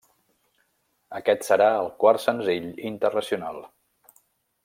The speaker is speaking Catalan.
Aquest serà el quart senzill internacional.